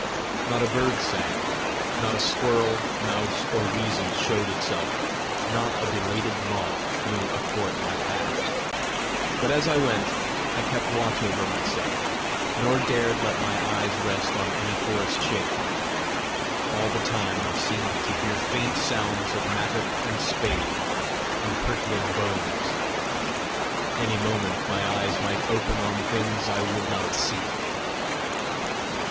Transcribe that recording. Not a bird sang, not a squirrel, mouse, or weasel showed itself, not a belated moth flew athwart my path. But as I went I kept watch over myself, nor dared let my eyes rest on any forest shape. All the time I seemed to hear faint sounds of mattock and spade and hurtling bones: any moment my eyes might open on things I would not see!